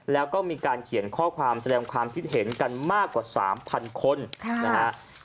แล้วก็มีการเขียนข้อความแสดงความคิดเห็นกันมากกว่า๓๐๐คนนะฮะ